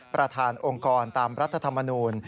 ประธานองค์กรตามรัฐธรรมนูล